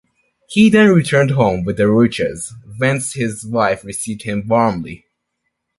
He then returned home with the riches, whence his wife received him warmly.